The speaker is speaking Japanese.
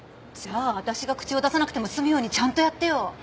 じゃあわたしが口を出さなくても済むようにちゃんとやってよ。